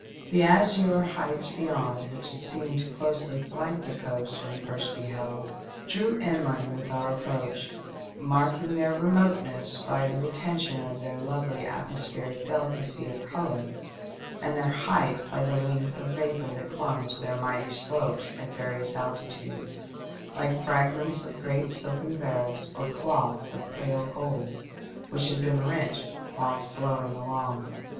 The azure heights beyond, which had seemed to closely flank the coast when first beheld, drew Inland with our approach, marking their remoteness by the retention of their lovely atmospheric delicacy of colour, and their height by the lengths of vapour that clung to their mighty slopes at various altitudes, like fraofments of ereat silken veils or cloths of pale gold which had been rent whilst blowing along.